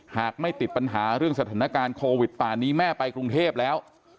หากไม่ติดปัญหาเรื่องสถานการณ์โควิดป่านนี้แม่ไปกรุงเทพแล้ว